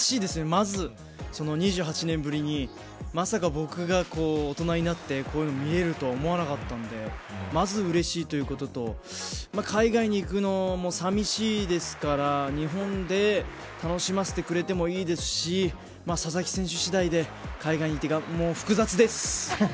まず、２８年ぶりにまさか僕が大人になって、こういうのを見られるとは思わなかったのでまず、うれしいということと海外に行くのも寂しいですから日本で楽しませてくれてもいいですし佐々木選手次第で海外に行ってもう、複雑です。